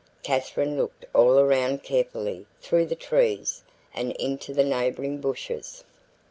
Katherine looked all around carefully through the trees and into the neighboring bushes.